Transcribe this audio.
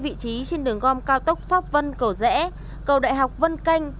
vị trí trên đường gom cao tốc pháp vân cầu rẽ cầu đại học vân canh